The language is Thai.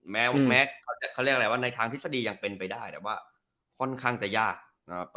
แม้เขาเรียกอะไรว่าในทางทฤษฎียังเป็นไปได้แต่ว่าค่อนข้างจะยากนะครับ